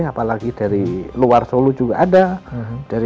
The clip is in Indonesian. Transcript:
apalagi dari luar solo juga ada